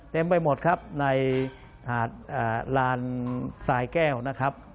ไปหมดครับในหาดลานสายแก้วนะครับ